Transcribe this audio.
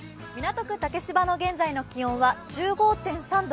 港区竹芝の現在の気温は１５．３度。